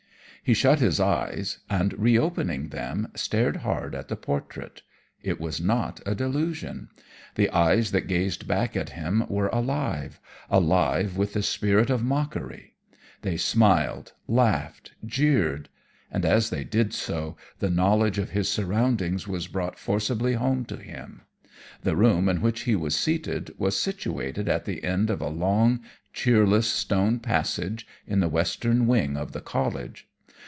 "He shut his eyes; and re opening them, stared hard at the portrait. It was not a delusion. The eyes that gazed back at him were alive alive with the spirit of mockery; they smiled, laughed, jeered; and, as they did so, the knowledge of his surroundings was brought forcibly home to him. The room in which he was seated was situated at the end of a long, cheerless, stone passage in the western wing of the College.